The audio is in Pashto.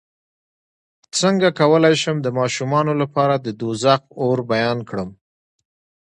څنګه کولی شم د ماشومانو لپاره د دوزخ اور بیان کړم